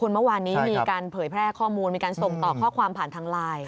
เมื่อวานนี้มีการเผยแพร่ข้อมูลมีการส่งต่อข้อความผ่านทางไลน์